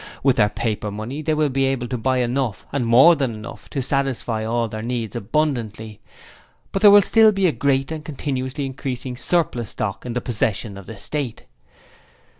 With their paper money they will be able to buy enough and more than enough to satisfy all their needs abundantly, but there will still be a great and continuously increasing surplus stock in the possession of the State.